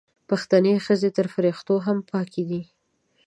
پښتنې ښځې تر فریښتو هم پاکې دي